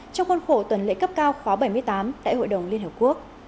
trong con khổ tuần lệ cấp cao khóa bảy mươi tám tại hội đồng liên hiệp quốc